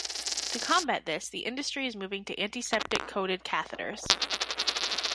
To combat this, the industry is moving to antiseptic coated catheters.